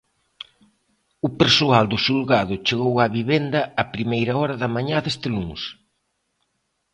O persoal do xulgado chegou á vivenda a primeira hora da mañá deste luns.